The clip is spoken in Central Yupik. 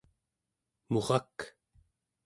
murak